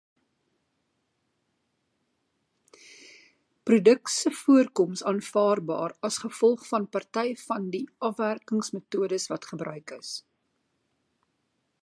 Produk se voorkoms aanvaarbaar as gevolg van party van die afwerkingsmetodes wat gebruik is.